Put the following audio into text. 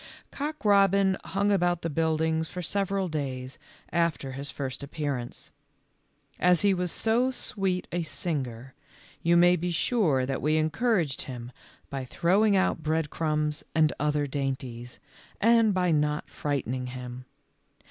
Cock robin huns; about the buildings for several days after his first appearance. As he was so sweet a singer you may be sure that we encouraged him by throwing out bread crumbs and other dainties, and by not frightening him.